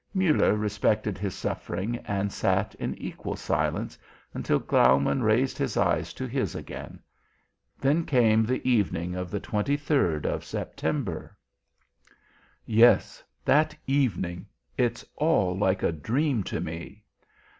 Muller respected his suffering and sat in equal silence, until Graumann raised his eyes to his again. "Then came the evening of the 23rd of September?" "Yes, that evening it's all like a dream to me."